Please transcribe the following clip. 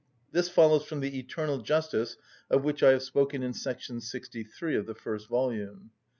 This follows from the eternal justice of which I have spoken in § 63 of the first volume.